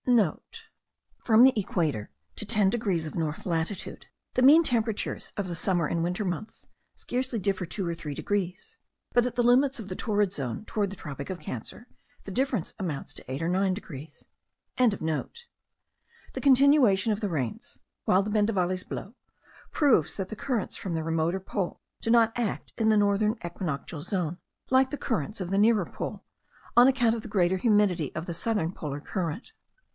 *(* From the equator to 10 degrees of north latitude the mean temperatures of the summer and winter months scarcely differ 2 or 3 degrees; but at the limits of the torrid zone, toward the tropic of Cancer, the difference amounts to 8 or 9 degrees.) The continuation of the rains, while the bendavales blow, proves that the currents from the remoter pole do not act in the northern equinoctial zone like the currents of the nearer pole, on account of the greater humidity of the southern polar current.